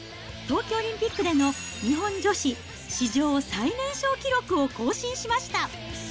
冬季オリンピックでの日本女子史上最年少記録を更新しました。